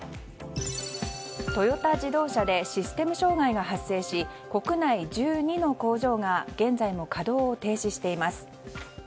トヨタ自動車でシステム障害が発生し国内１２の工場が現在も稼働を停止しています。